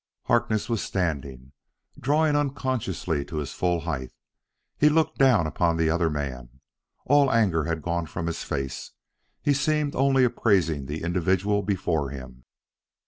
Harkness was standing, drawn unconsciously to his full height. He looked down upon the other man. All anger had gone from his face; he seemed only appraising the individual before him.